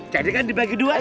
jadi kan dibagi dua aja